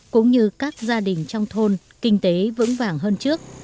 cũng như các gia đình trong thôn kinh tế vững vàng hơn trước